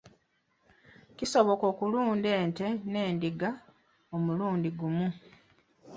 Kisoboka okulunda ente n’endiga omulundi gumu.